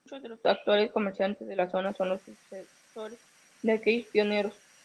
Muchos de los actuales comerciantes de la zona son los sucesores de aquellos pioneros.